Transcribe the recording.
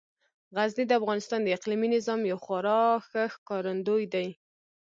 غزني د افغانستان د اقلیمي نظام یو خورا ښه ښکارندوی دی.